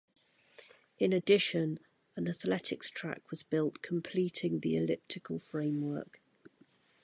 In addition, an athletics track was built completing the elliptical framework.